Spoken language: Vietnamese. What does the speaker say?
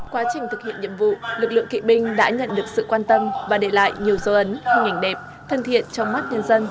quá trình thực hiện nhiệm vụ lực lượng kỵ binh đã nhận được sự quan tâm và để lại nhiều dấu ấn hình ảnh đẹp thân thiện trong mắt nhân dân